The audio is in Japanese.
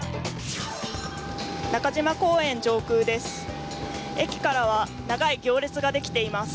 中島公園上空です。